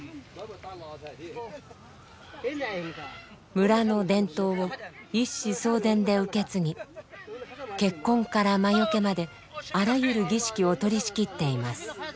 村の伝統を一子相伝で受け継ぎ結婚から魔よけまであらゆる儀式を取りしきっています。